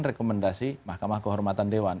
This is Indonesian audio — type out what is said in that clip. rekomendasi mahkamah kehormatan dewan